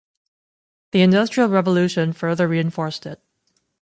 The industrial revolution further reinforced it.